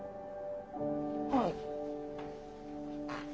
はい。